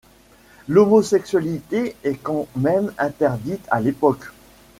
L'homosexualité est quand même interdite à l'époque.